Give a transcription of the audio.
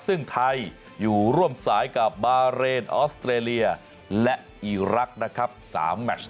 ซึ่งไทยอยู่ร่วมสายกับบาเรนออสเตรเลียและอีรักษ์นะครับ๓แมช